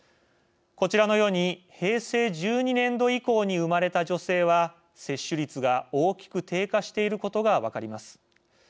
こちらのように平成１２年度以降に生まれた女性は接種率が大きく低下していることが分かります。